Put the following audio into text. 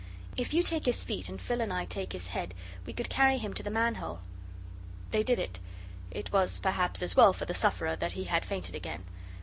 "If you take his feet and Phil and I take his head, we could carry him to the manhole." They did it. It was perhaps as well for the sufferer that he had fainted again.